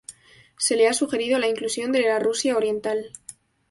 Se ha sugerido la inclusión de la Rusia Oriental.